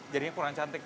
jadinya kurang cantik